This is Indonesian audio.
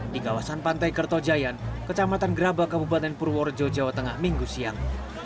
di kawasan pantai kertojayan kecamatan gerabah kabupaten purworejo jawa tengah minggu siang